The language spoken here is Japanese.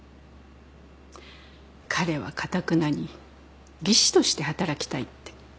・彼はかたくなに技師として働きたいって。